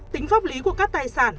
tính pháp lý của các tài sản